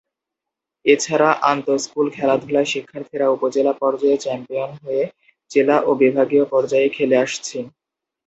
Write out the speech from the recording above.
এছাড়া আন্ত:স্কুল খেলাধুলায় শিক্ষার্থীরা উপজেলা পর্যায়ে চ্যাম্পিয়ন হয়ে জেলা ও বিভাগীয় পর্যায়ে খেলে আসছে।